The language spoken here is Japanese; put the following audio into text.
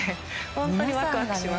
本当にワクワクします。